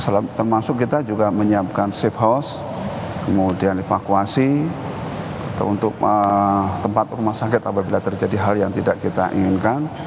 termasuk kita juga menyiapkan safe house kemudian evakuasi untuk tempat rumah sakit apabila terjadi hal yang tidak kita inginkan